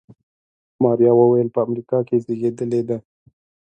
ماريا وويل په امريکا کې زېږېدلې ده.